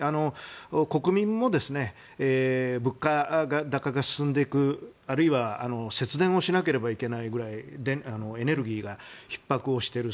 国民も物価高が進んでいくあるいは、節電をしなければいけないぐらいエネルギーがひっ迫をしている。